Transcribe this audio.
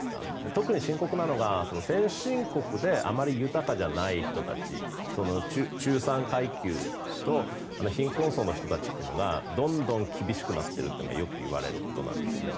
特に深刻なのが、先進国であまり豊かじゃない人たち中産階級と貧困層の人たちというのがどんどん厳しくなってるというのがよく言われることなんですね。